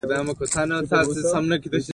دا دوره د مورواکۍ په نوم یادیده.